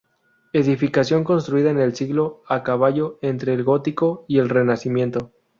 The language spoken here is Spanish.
Edificación construida en el siglo a caballo entre el gótico y el Renacimiento.